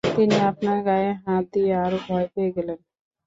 তিনি আপনার গায়ে হাত দিয়ে আরো ভয় পেয়ে গেলেন।